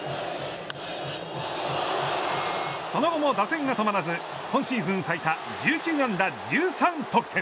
その後も打線が止まらず今シーズン最多１９安打１３得点。